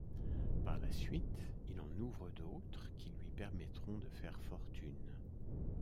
Par la suite, il en ouvre d'autres qui lui permettront de faire fortune.